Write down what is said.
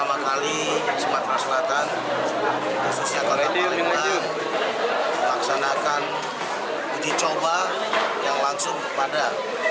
pertama kali sumatera selatan khususnya kota palembang melaksanakan uji coba yang langsung kepada